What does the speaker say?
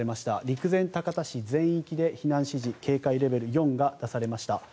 陸前高田市全域で避難指示警戒レベル４が出されました。